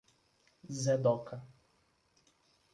zé Doca